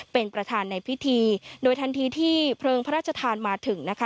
เป็นประธานในพิธีโดยทันทีที่เพลิงพระราชทานมาถึงนะคะ